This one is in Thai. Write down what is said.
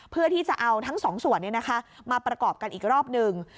เพื่อที่จะเอาทั้งสองส่วนมาประกอบกันอีกรอบหนึ่ง